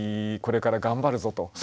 これから頑張るぞと。